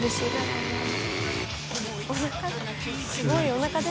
おなか